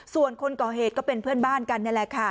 ส่วนคนก่อเหตุก็เป็นเพื่อนบ้านกันนี่แหละค่ะ